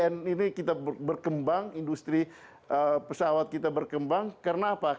ini kita berkembang industri pesawat kita berkembang karena apa